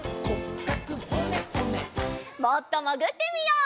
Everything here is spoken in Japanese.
もっともぐってみよう。